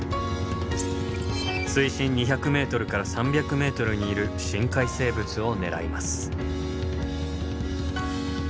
水深２００ｍから３００ｍにいる深海生物を狙います。